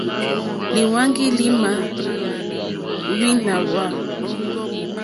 Lîhwáŋgí lì mà wíná hwá.